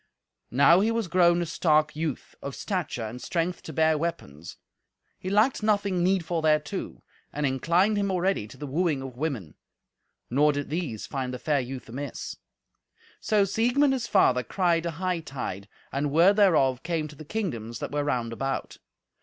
Now was he grown a stark youth, of stature and strength to bear weapons; he lacked nothing needful thereto, and inclined him already to the wooing of women. Nor did these find the fair youth amiss. So Siegmund his father cried a hightide, and word thereof came to the kingdoms that were round about.